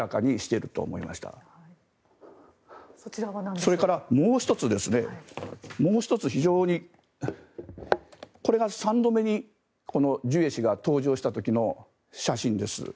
それからもう１つこれが３度目にジュエ氏が登場した時の写真です。